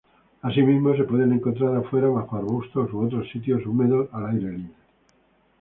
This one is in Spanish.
Asimismo se pueden encontrar afuera bajo arbustos u otros sitios húmedos al aire libre.